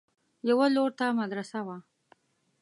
يوه لور ته مدرسه وه.